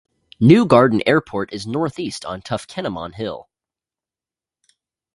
New Garden Airport is northeast on Toughkenamon Hill.